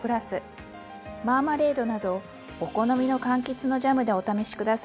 マーマレードなどお好みのかんきつのジャムでお試し下さいね。